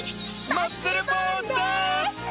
マッスルボーンです！